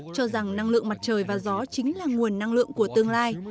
cho rằng năng lượng mặt trời và gió chính là nguồn năng lượng của tương lai